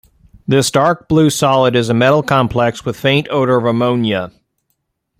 This dark blue solid is a metal complex with faint odor of ammonia.